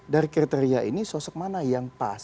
dari kriteria ini sosok mana yang pas